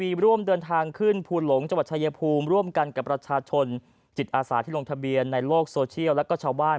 มีร่วมเดินทางขึ้นภูหลงจังหวัดชายภูมิร่วมกันกับประชาชนจิตอาสาที่ลงทะเบียนในโลกโซเชียลแล้วก็ชาวบ้าน